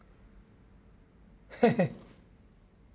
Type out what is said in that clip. ヘヘッ。